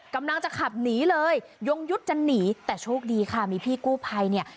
กำลังจะขับหนีเลยยงยุทธ์จะหนีแต่โชคดีค่ะมีพี่กู้ภัยเนี่ย